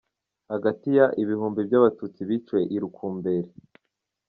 Hagati ya - ibihumbi by’abatutsi biciwe i Rukumberi.